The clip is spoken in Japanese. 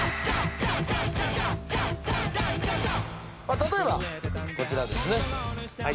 例えばこちらですね。